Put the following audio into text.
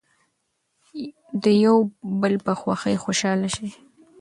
د یو بل په خوښۍ خوشحاله شئ.